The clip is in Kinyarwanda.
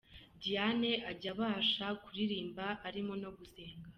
Diane ajya abasha kuririmba arimo no gusenga.